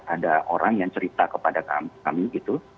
ada orang yang cerita kepada kami gitu